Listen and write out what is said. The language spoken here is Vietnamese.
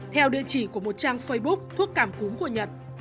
theo địa chỉ của một trang facebook thuốc cảm cúm của nhật